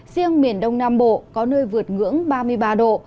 riêng miền đông nam bộ có nơi vượt ngưỡng ba mươi ba độ